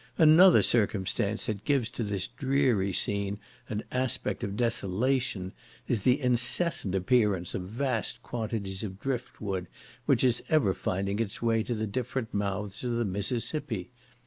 Another circumstance that gives to this dreary scene an aspect of desolation, is the incessant appearance of vast quantities of drift wood, which is ever finding its way to the different mouths of the Mississippi.